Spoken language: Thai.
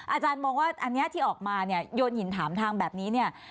อาจารย์มองว่าอันนี้ที่ออกมาเนี่ยโยนหินถามทางแบบนี้เนี่ย